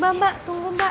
mbak mbak tunggu mbak